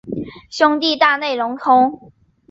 兄弟大内隆弘。